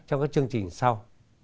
trong các chương trình sau